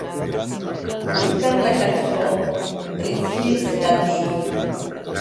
Busca'm la cançó Restless Natives